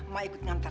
mak ikut ngantar